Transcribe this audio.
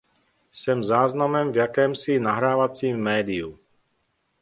Jsem záznamem v jakémsi nahrávacím médiu.